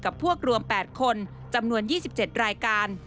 พวกรวม๘คนจำนวน๒๗รายการ